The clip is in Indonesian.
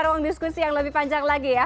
ruang diskusi yang lebih panjang lagi ya